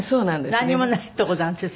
なんにもないとこなんです？